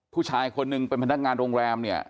ผู้ชายคนหนึ่งเป็นพนักงานโรงแรมเนี่ย